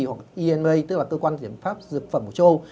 hoặc ema tức là cơ quan kiểm soát dược phẩm của châu âu